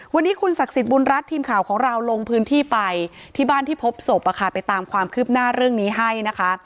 วันนี้คุณศักดิ์สิทธิ์บุญรัฐทีมข่าวของเราลงพื้นที่ไปที่บ้านที่พบศพไปตามความคืบหน้าเรื่องนี้ให้นะคะ